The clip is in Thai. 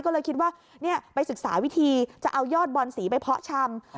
ก็เลยคิดว่าไปศึกษาวิธีจะเอายอดบอนสีไปเพาะชำ